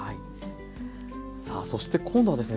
さあそして今度はですね